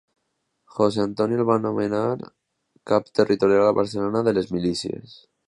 José Antonio el va nomenar cap territorial a Barcelona de les milícies.